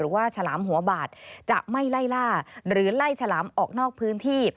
หรือว่าชาลามหัวบาดจะไม่ไล่ล่าหรือไล่ชาลามออกนอกพื้นที่